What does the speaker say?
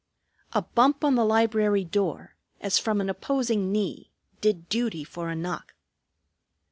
A bump on the library door, as from an opposing knee, did duty for a knock.